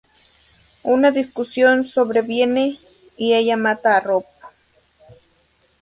Una discusión sobreviene y ella mata a Rob.